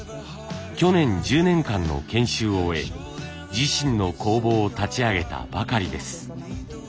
去年１０年間の研修を終え自身の工房を立ち上げたばかりです。